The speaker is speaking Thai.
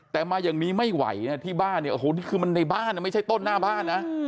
แต่มาอย่างนี้ไม่ไหวนะที่บ้านเนี่ยโอ้โหนี่คือมันในบ้านไม่ใช่ต้นหน้าบ้านนะ